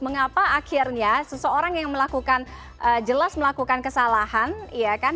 mengapa akhirnya seseorang yang melakukan jelas melakukan kesalahan